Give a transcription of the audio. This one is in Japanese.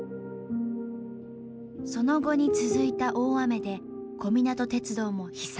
その後に続いた大雨で小湊鉄道も被災。